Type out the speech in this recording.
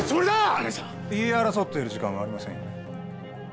新井さん言い争っている時間はありませんよね